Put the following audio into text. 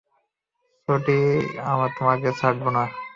ছোটি, আমি তোকে ছাড়বো না!